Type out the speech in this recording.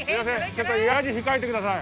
ちょっと野次控えてください